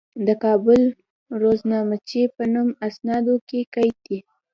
د کابل روزنامچې په نوم اسنادو کې قید دي.